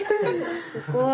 すごい。